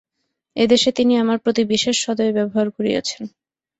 এ দেশে তিনি আমার প্রতি বিশেষ সদয় ব্যবহার করিয়াছেন।